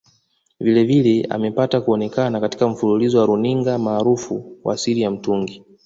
Vilevile amepata kuonekana katika mfululizo wa runinga maarufu wa Siri Ya Mtungi